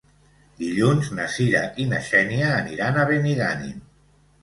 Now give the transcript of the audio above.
Dilluns na Cira i na Xènia aniran a Benigànim.